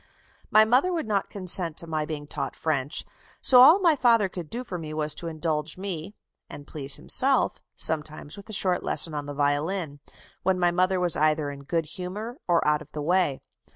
"My mother would not consent to my being taught French, ... so all my father could do for me was to indulge me (and please himself) sometimes with a short lesson on the violin, when my mother was either in good humour or out of the way....